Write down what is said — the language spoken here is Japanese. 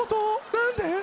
何で？